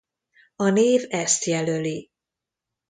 A név ezt jelöli.